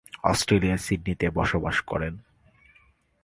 অস্ট্রেলিয়ার সিডনিতে বসবাস করেন।